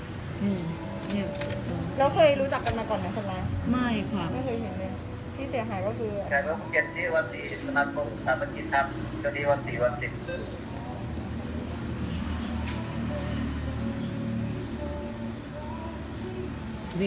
อ๋อเรือเดี๋ยวแล้วเคยรู้จักกันมาก่อนละคนร้านไม่ครับ